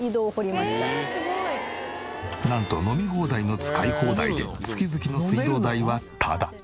なんと飲み放題の使い放題で月々の水道代はタダ。